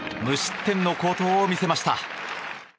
無失点の好投を見せました。